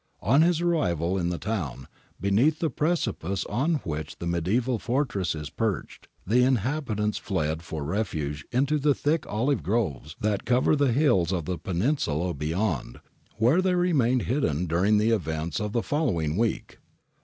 On his arrival in the town, beneath the precipice on which the mediaeval fortress is perched, the inhabitants fled for refuge into the thick olive groves that cover the hills of the peninsula beyond, where they remained hidden dur ing the events of the following week.